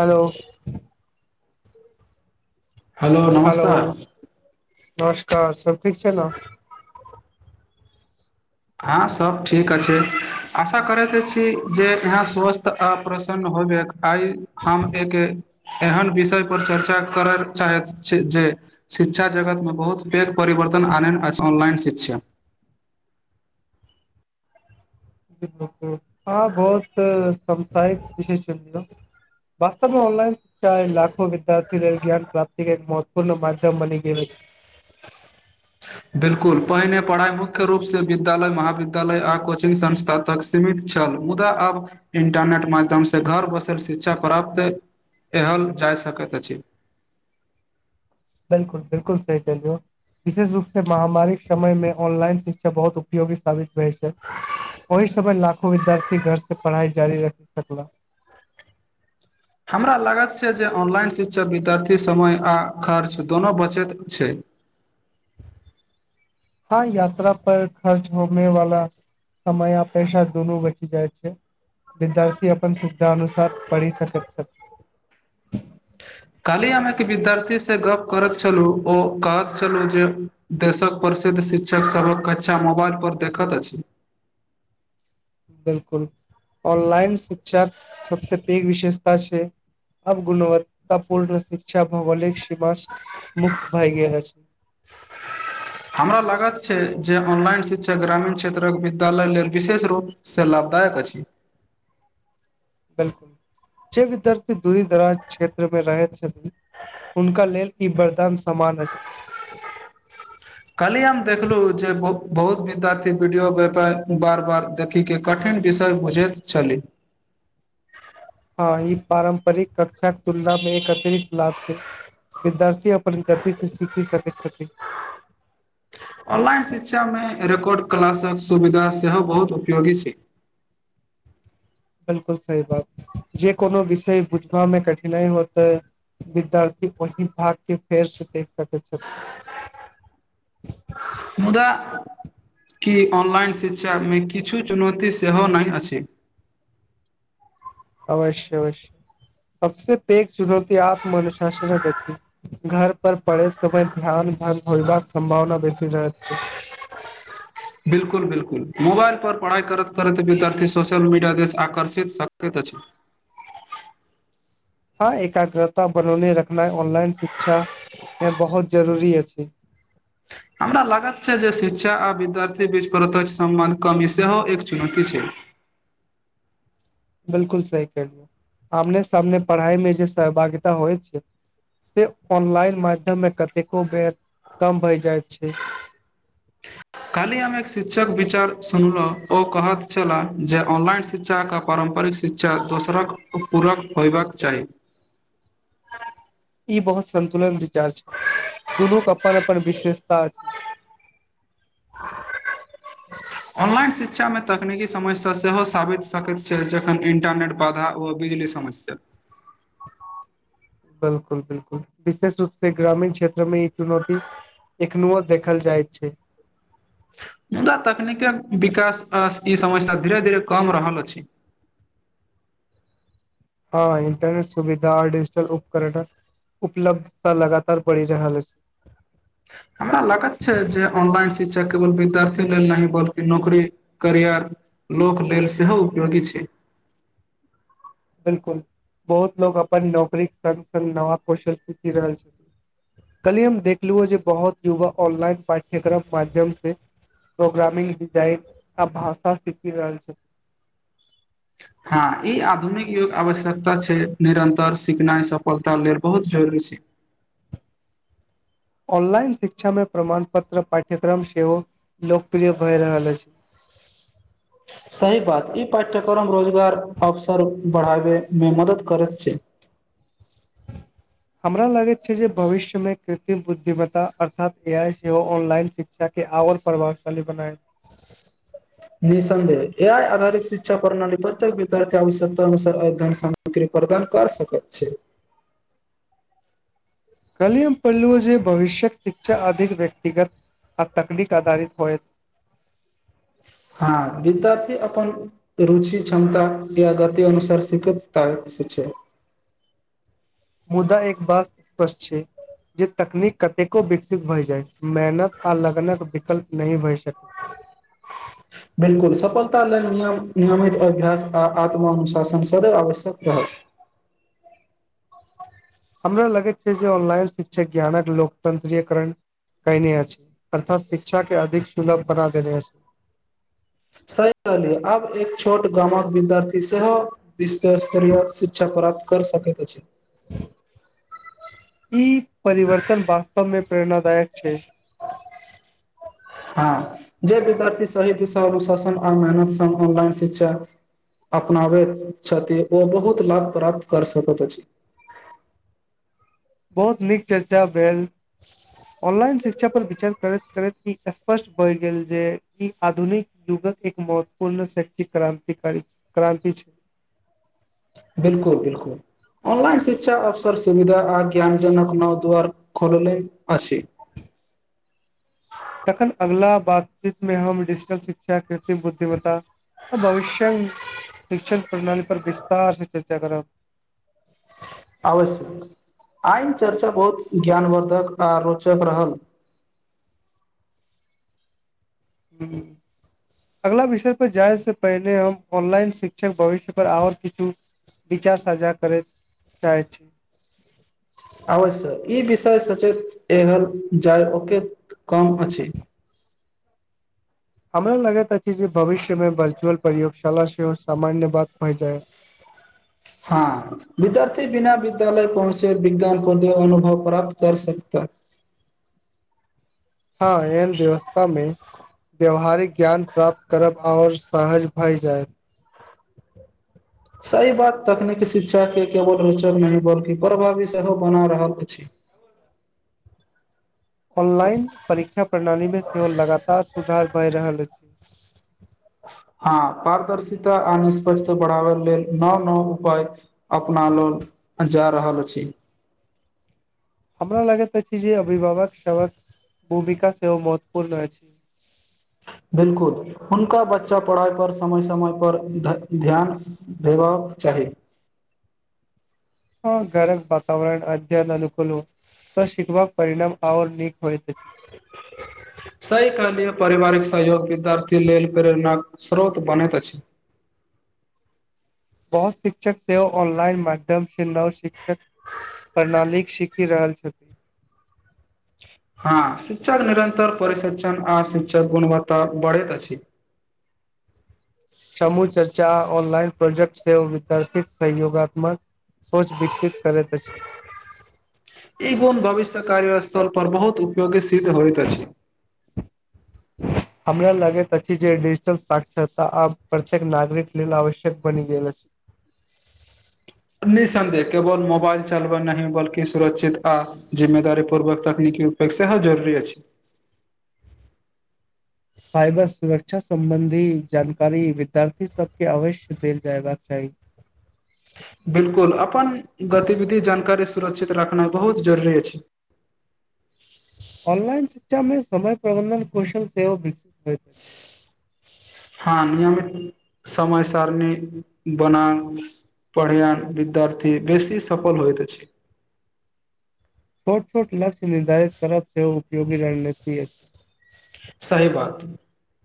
Hello hello नमस्कार सब ठीक छै ने हँ सब ठीक अछि आशा करैत छी जे यहाँ स्वस्थ ऑपरेशन होबेके आइ हम एक एहन विषय पर चर्चा करय चाहैत छी जे शिक्षा जगत में बहुत पैघ परिवर्तन आन अछि ऑनलाइन शिक्षा [inaudible] हँ बहुत समसायिक विशेष वास्तव में ऑलाइन चाहेलाखो विद्यार्थी रहय ज्ञान प्राप्तिके महत्वपूर्ण माध्यम बनि ग ह बिलकुल पहिने पढ़ाइ मुख्य रूपसँ विद्यालय महाविद्यालय आ कोचिङ्ग संस्था तक सीमित छल मुदा आब इंटरनेट माध्यम से घर बसल शिक्षा प्राप्त एहल जा सकैत अछि बिलकुल बिल्कल सही कहिलियौ विशेष रूप से महामारी के समय में ऑनलाइन शिक्षा बहुत उप उपयोगी साबित भेल छै ओहि समय लाखो विद्यार्थी घर से पढ़ाई जारी रखी सकला हमरा लागत छै जे ऑनलाइन शिक्षक विद्यार्थी समय आ खर्च दुनो बचैत छै हँ यात्रा पर खर्च होने वला समय आ पेशा दुनू बचि जाइत छै विद्यार्थी अपन सुविधा अनुसार पढ़ि सकैत छथि कालही हम एक विद्यार्थी से गप करैत छलु ओ कहैत छलु जे देशक प्रसिद्ध शिक्षक सभक कक्षा मोबाइलपर देखत अछि बिल्कुल ऑनलाइन शिक्षा सबसे पेघ विशेषता छय ब गुणवत्त पूर्ण शिक्षा भौगोलिक सीमा मुक्त भय गेल छी हमरा लागत छय जे ऑनलाइन शिक्षा ग्रामीण क्षेत्रक विद्यालय लेल विशेष रूपसँ लाभदायक अछि बिल्कुल जे विद्यार्थी दूरी दराज क्षेत्र में रहै छथिन हुनका लेल ई वरदान समान अछि कहली हम देखलु जे बहुत विद्यार्थी वीडियो बार बार देखिक के कठिन विषय बुझैत छली हँ ई पारम्परिक कक्षा के तुलना में एक अतिरिक्त लाभ छय विद्यार्थी अपन गतिसँ सीखि सकैत छथि ऑनलाइन शिक्षा में रेकॉर्ड क्लासक सुविधा सेहो बहुत उपयोगी छै बिलकुल सही बात जे कोनो विषय बुझबा में कठिनाइ होतै विद्यार्थी वही भाग के फेर से देख सकै छथि मुदा की ऑनलाइन शिक्षा में किछु चुनौती सेहो नहि अछि अवश्य अवश्य सबस पैघ चुनौती आत्मनुशासन छै घर पर पड़े समय ध्यान भंग होयबाक सम्भावना बेसी रहै छै बिल्कुल बिल्कुल मोबाइल पर पढ़ाई करैत करैत विद्यार्थी सोशल मीडिया देश आकर्षित सकैत अछि हँ एकाग्रता बनौने रखनाइ ऑनलाइन शिक्षा में बहुत जरूरी अछि [inaudible] हमरा लागत छै जे शिक्षा आ विद्यार्थी बीच प्रत्यक्ष सम्बन्ध कमी सेहो एक चुनौती छै बिल्कुल सही कहलियौ आमने सामने पढ़ाइ मे जे सहभागिता होइत छै से ऑनलाइन माध्यम मे कतेको बेर कम भय जाइत छै [inaudible] काल्हि हम एक शिक्षक विचार सुनलौं ओ कहत छलाह जे ऑनलाइन शिक्षा के पारम्परिक शिक्षा दोसरक पूरक होयबाक चाही ई बहुत संन्तुलन विचार छै दुनूक अपन अपन विशेषता [inaudible] ऑनलाइन शिक्षा मे तकनीकी समस्या सेहो साबित सकैत छै जखन इंटरनेट बाधा व बिजली समस्या बिल्कुल बिल्कुल विशेष रूप से ग्रामीण क्षेत्रमे ई चुनौती एखनूओ देखल जाइत छै मुदा तकनीकेक विकास आ ई समस्या धीरे धीरे कम रहल अछि हँ इंटरनेट सुविधा आ डिजिटल उपकरणक उपलब्धता लगातार बढ़ि रहल अछि हमरा लागत छै जे ऑनलाइन शिक्षा केवल विद्यार्थी लेल नहि बल्कि नौकरी करियर लोक लेल सेहो उपयोगी छै बिल्कुल बहुत लोग अपन नौकरीक संग संग नवा कौशल सीखि रहल छथि कल्हि हम देखलुं अ जे बहुत युवा ऑनलाइन पाठ्यक्रम माध्यम से प्रोग्रामिंग डिजाइन आ भाषा सीखि रहल छथि हँ ई आधुनिक युग आवश्यकता छै निरन्तर सिखनाइ सफलता लेल बहुत जरुरी छै ऑनलाइन शिक्षा मे प्रमाण पत्र पाठ्यक्रम सेहो लोकप्रिय भए रहल अछि सही बात ई पाठ्यक्रम रोजगार अवसर बढ़ाबैमे मदद करैत छै। हमरा लागैत छै जे भविष्य मे कृत्रिम बुद्धिमत्ता अर्थात ए आइ सेहो ऑनलाइन शिक्षा शिक्षा के आओर प्रभावशाली बनायब। निःसन्देह ए आइ आधारित शिक्षा प्रणाली प्रत्येक विद्यार्थी आवश्यकता अनुसार अध्ययन साम ग्री प्रदान कर सकैत छै। काल्हि हम पहिलु अ जे भविष्यक शिक्षा अधिक व्यक्तिगत आ तकनीक आधारित होयत। हँ विद्यार्थी अपन रुचि क्षमता या गति अनुसार सिखैत [unintelligible] ता छै मुदा एक बात स्पष्ट छै जे तकनीक कतेको विकसित भय जाय मेहनत आ लगनक विकल्प नहि होय सकत। [inaudible] बिल्कुल सफलता लेल नियम नियमित अभ्यास आ आत्मानुशासन सदैव आवश्यक रहत। हमरा लगैत छै जे ऑनलाइन शिक्षक ज्ञानक लोकतंत्रीय करण कयने अछि। अर्थात शिक्षा के अधिक सुलभ बना देने अछि। सही कहलिय आब एक छोट गामक विद्यार्थी सेहो इस तरह से पर्याप्त शिक्षा प्राप्त कर सकैत अछि। ई परिवर्तन वास्तव मे प्रेरणादायक छै। [inaudible] हँ जे विद्यार्थी सही दिशा अनुशासन आ मेहनत संग ऑनलाइन शिक्षा अपनाबैत छथि ओ बहुत लाभ प्राप्त कर सकैत अछि। बहुत नीक चर्चा भेल ऑनलाइन शिक्षा पर विचार करैत। करैत ई स्पष्ट बए गेल जे ई आधुनिक युगक एक महत्वपूर्ण शैक्षिक क्रांतिकारी छय क्रान्ति छय बिल्कुल बिल्कुल ऑनलाइन शिक्षा अवसर सुविधा आ ज्ञान जनक नव द्वार खोलले अछि तखन अगला बातचीत में हम डिजिटल शिक्षा कृत्रिम बुद्धिमता भविष्यण शिक्षण प्रणाली पर विस्तार से चर्चा करब आवश्यक आइन चर्चा बहुत ज्ञानवर्द्धक आ रोचक रहल हूँ अगला विषय पर जाय से पहिने हम ऑनलाइन शिक्षक भविष्य पर ओर किछु विचार साझा करैत चाहै छी अवश्य ई विषय सचेत एहर जाय ओके कम अछि हमरा लगैत अछि जे भविष्य में वर्चुअल प्रयोगशाला सेहो सामान्य बात भए जाय हँ विद्यार्थी बिना विद्यालय पहुँचे विज्ञान को अनुभव प्राप्त कर सकते हँ एहन व्यवस्था में व्याववहारिक ज्ञान प्राप्त करब आओर सहज भए जाय सही बात तकनीकी शिक्षा के केवल रोचक नहि बल्कि प्रभावी सेहो बना रहल अछि ऑनलाइन परीक्षा प्रणाली में सेहो लगातार सुधार भए रहल अछि हँ पारदर्शिता आ निष्पषता बढ़ावै लेल नौव नौव उपाय अपना लोल जा रहल अछि हमरा लगैत अछि जे अभिभावक भूमिका सेहो महत्वपूर्ण अछि बिल्कुल हुनका बच्चा पढ़ाइ पर समय समय पर ध्यान भेबाक चाही हँ घरक वातावरण अध्ययन अनुकूल हो तऽ शिकबाक परिणाम आओर नीक होइ सही कहलियै पारिवारिक सहयोग विद्यार्थी लेल प्रेरणा स्रोत बनैत अछि बहोत शिक्षक सेहो ऑनलाइन माध्यम से नव शिक्षक प्रणाली सीखि रहल छथ हँ शिक्षक निरंतर परिशिक्षण आ शिक्षक गुणवत्ता बढ़ैत अछि समूह चर्चा ऑनलाइन प्रोजेक्ट से विद्यार्थी सहयोगात्मक सोच विकसित करैत अछि ई गुण भविष्य कार्य स्थल पर बहुत उपयोगी सिद्ध होइत अछि ह [inaudible] हमरा लागैत अछि जे डजिटल साक्षरता आब प्रत्येक नागरिक लेल आवश्यक बनि गेल निःसन्देह केवल मोबाइल चलब नहि बल्कि सुरक्षित आ जिम्मेदारी पूर्वक तकनीकी उपेक्षा ह जरुरी अछि साइबर सुरक्षा सम्बंधी जानकारी विद्यार्थी सब के अवश्य देल जयबाक चाही बिलकुल अपन गतिविधि जानकारी सुरक्षित रखनाइ बहुत जरुरी अछि ऑनलाइन शिक्षा में समय प्रबन्धन कौशल सेहो विकसित होइत अछि हाँ नियमित समय सारणी बना पडआन विद्यार्थी बेसी सफल होइत अछि छोट छोट लक्ष्य ले दाउ सेहो उपयोगी रणनीति अछि सही बात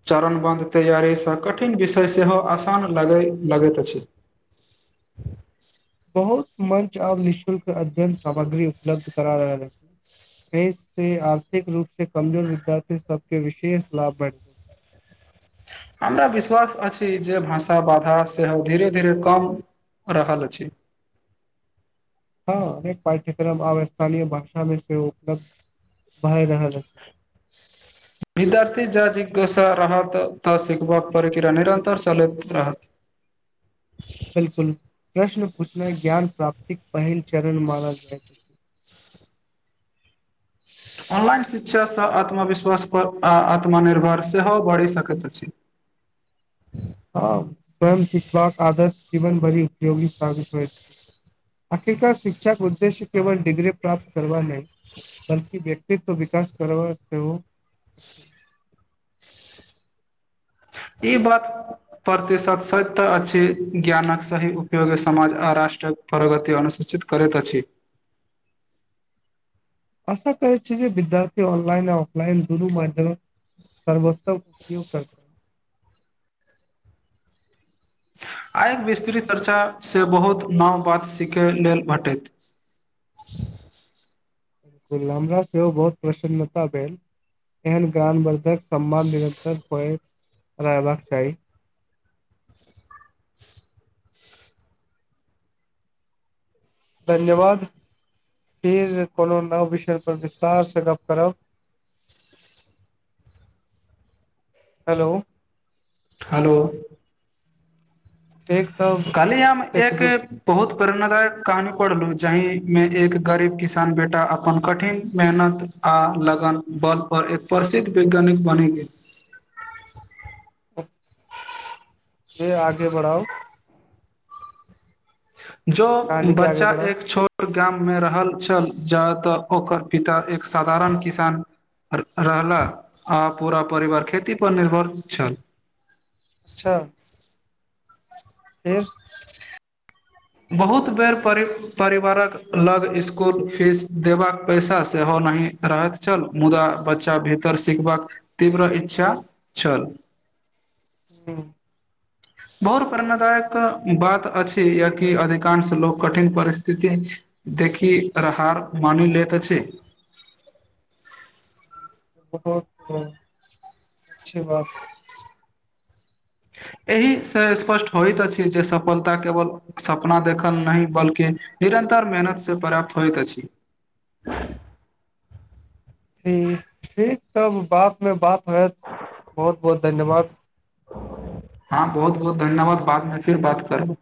चरण बंध तैयारी स कठिन विषय सेहो आसान लगै लगैत अछि बहुत मंच ओर निःशुल्क अध्ययन सामग्री उपलब्ध करा रहल अछि बेस के आर्थिक रूप से कमजोर विद्यार्थी सब के विशेष लाभ भेट हमरा विश्वास अछि जे भाषा बाधा सेहो धीरे धीरे कम रहल अछि हँ अनेक पाठ्यक्रम आब स्थानीय भाषा मे सेहो उपलब्ध भए रहल अछि विद्यार्थी जा जिज्ञासा रहत त सिखबाक प्रक्रिया निरन्तर चलैत रहत [inaudible] बिलकुल प्रश्न पूछनाइ ज्ञान प्राप्तिक पहिल चरण मानल जाय ऑनलाइन शिक्षास आत्मविश्वासपर आ आत्मनिभर सेहो बढ़ि सकैत अछि आ स्वयं सिखबाक आदत जीवन भरी उपयोगी साबित होइ आखिरकार शिक्षाक उद्देश्य केवल डिग्री प्राप्त करबा नेइ बलकि व्यक्तित्व विकास कर बा सेहो ई बात प्रतिशत सत तऽ अछि ज्ञानक सही उपयोग समाज आ राष्ट्रक प्रगती अनुसूचित करैत अछि आशा करै छी जे विद्यार्थी ऑनलाइन ऑफलाइन दुनू माध्यम सर्वोत्तम उपयोग करत आय विस्तृत चर्चा से बहुत नाव बात सीखय लेल भेटैत गुलनमरा सेहो बहुत प्रसन्नता भेल एहन ज्ञानवर्धक सम्मान निरन्तर पेर परेबाक चाही धन्यवाद फिर कोनो नव विषय पर विस्तार से गप करब हेलो हेलो एक तब कहली हम हम एक बहुत प्रेरणादायक कहानी पढ़लू जाहि में एक गरीब किसान बेटा अपन कठिन मेहनत आ लगन बल पर एक प्रसिद्ध वैज्ञानिक बनि गेल ह य आगे बढ़ाओ जो कहानी के आगे बच्चा बढ़ाउ एक छोट ओ गाम में रहल छल जा तऽ ओकर पिता एक साधारण किसान रहला आ आ पूरा परिवार खेती पर निर्भर छल अच्छा फेर बहुत बेर परि परिवारक लग इसकुल फीस देबाक पैसा सेहो नहि रहैत छल मुदा बच्चा भीतर सिखबाक तीव्र इच्छा छल हँ बहुत प्रेरणादायक बात अछि य की अधिकांश लोको कठिन परिस्थिति देखि र हार मानि लेत अछि बहुत [inaudible] अच्छी बात एहि से स्पष्ट होइत अछि जे सफलता केवल सपना देखल नहि बल्कि निरन्तर मेहनत से पर्याप्त होइत अछि ठी ठीक तब बाद मे बात हैत बहुत बहुत धन्यवाद हँ बहुत बहुत धन्यवाद बादमे फिर बात करब